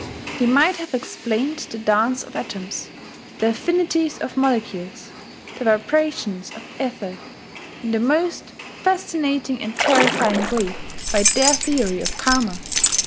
They might have explained the dance of atoms, the affinities of molecules, the vibrations of ether, in the most fascinating and terrifying way by their theory of Karma....